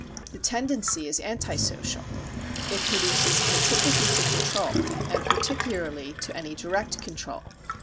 The tendency is anti social. It produces antipathy to control, and particularly to any direct control.